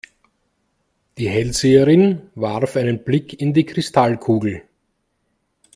Die Hellseherin warf einen Blick in die Kristallkugel.